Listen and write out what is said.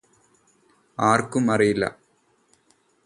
ആർക്കും അറിയില്ല